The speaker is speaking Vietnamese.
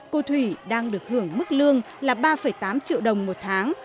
cô thủy đang được hưởng mức lương là ba tám triệu đồng một tháng